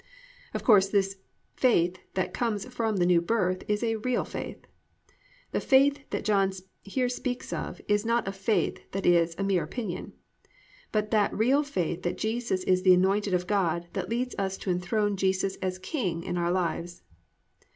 _ Of course this faith that comes from the New Birth is a real faith. The faith that John here speaks of is not a faith that is a mere opinion, but that real faith that Jesus is the anointed of God that leads us to enthrone Jesus as King in our lives.